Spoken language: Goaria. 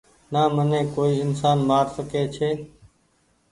نا مني ڪوئي انسان مآر سکي ڇي